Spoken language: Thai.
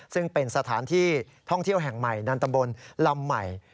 ซึ่งเป็นสถานที่ท่องเที่ยวแห่งใหม่ในตำบลลำใหม่